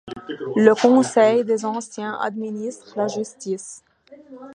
Le Conseil des anciens administre la justice.